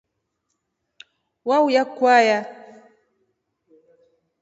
Wauya kwaya.